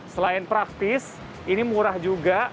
selain praktis ini murah juga